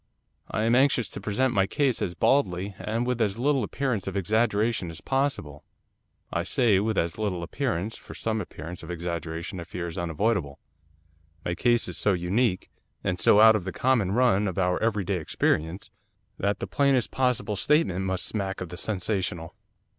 I am anxious to present my case as baldly, and with as little appearance of exaggeration as possible. I say with as little appearance, for some appearance of exaggeration I fear is unavoidable. My case is so unique, and so out of the common run of our every day experience, that the plainest possible statement must smack of the sensational.